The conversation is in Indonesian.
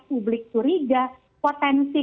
publik curiga potensi